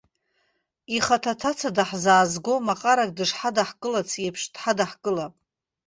Ихаҭа, аҭаца даҳзаазго маҟарак дышҳадаҳкылац еиԥш, дҳадаҳкылап.